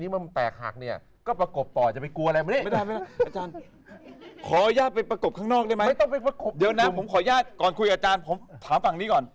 นี่มันของเจ้าของราชวงศ์ของกษัตริย์จีน